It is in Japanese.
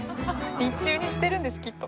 日中にしてるんですきっと。